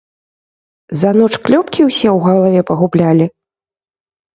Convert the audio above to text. За ноч клёпкі ўсе ў галаве пагублялі?